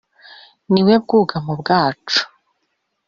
ni we bwugamo bwacu